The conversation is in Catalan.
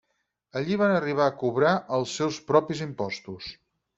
Allí van arribar a cobrar els seus propis impostos.